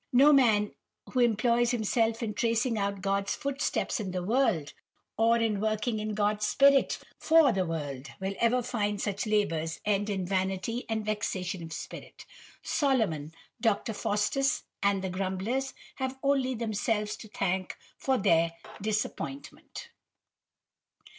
No man who employs himself in tracing out God's footsteps in the world, or in working in God's spirit for the world, will ever find such labours end in 'vanity and vexation of spirit!' Solomon, Dr. Faustus, and the grumblers, have only themselves to thank for their disappointment."